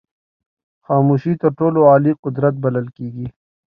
خاموشي تر ټولو عالي قدرت بلل کېږي.